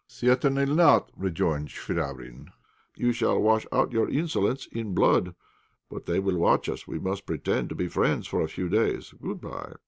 "Certainly not," rejoined Chvabrine. "You shall wash out your insolence in blood. But they will watch us; we must pretend to be friends for a few days. Good bye."